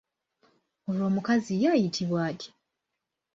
Olwo omukazi ye ayitibwa atya?